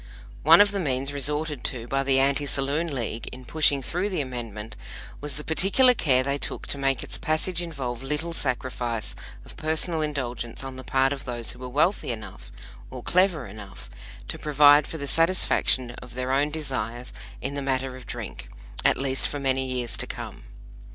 One of the means resorted to by the Anti Saloon League in pushing through the Amendment was the particular care they took to make its passage involve little sacrifice of personal indulgence on the part of those who were wealthy enough, or clever enough, to provide for the satisfaction of their own desires in the matter of drink, at least for many years to come.